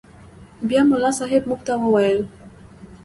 بيا ملا صاحب موږ ته وويل.